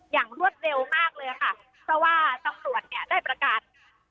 รวดเร็วมากเลยค่ะเพราะว่าตำรวจเนี่ยได้ประกาศ